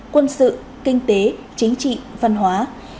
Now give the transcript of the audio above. quân sự kinh tế chính trị văn hóa